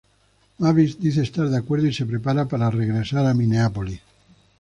Mavis dice estar de acuerdo y se prepara para regresar a Minneapolis.